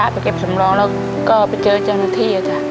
ไปเก็บสำรองแล้วก็ไปเจอเจ้าหน้าที่